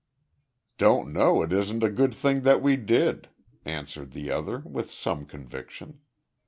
"Don't know it isn't a good thing that we did," answered the other with some conviction.